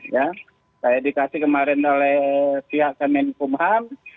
ya saya dikasih kemarin oleh pihak kemenkumham